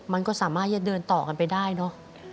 มันก็สามารถจะเดินต่อกันไปได้เนอะ